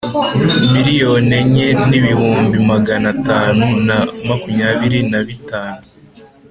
Miliyoni enye n ibihumbi magana atanu na makumyabiri na bitanu